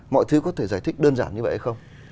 mọi thứ có thể giải thích đơn giản như vậy hay không